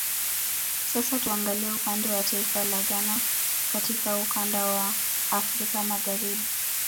Sasa tuangalie upande wa taifa la Ghana katika ukanda wa Afrika Magharibi